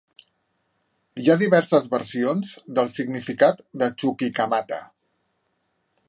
Hi ha diverses versions del significat de Chuquicamata.